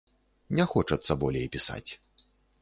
Не хочацца болей пісаць.